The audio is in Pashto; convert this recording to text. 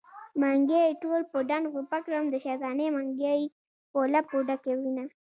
منګي يې ټول په ډنډ غوپه کړم د شيطانۍ منګی په لپو ډکوينه